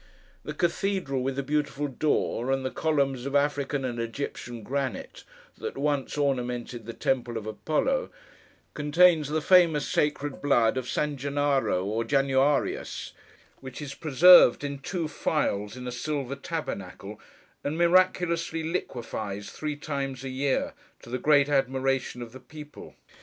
The cathedral with the beautiful door, and the columns of African and Egyptian granite that once ornamented the temple of Apollo, contains the famous sacred blood of San Gennaro or Januarius: which is preserved in two phials in a silver tabernacle, and miraculously liquefies three times a year, to the great admiration of the people.